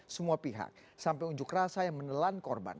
semua pihak sampai unjuk rasa yang menelan korban